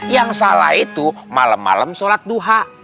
yang salah itu malem malem sholat duha